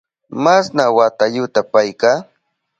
¿Masna watayuta payka?